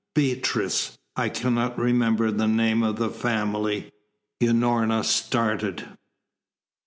"Beatrice. I cannot remember the name of the family." Unorna started.